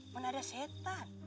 mana ada setan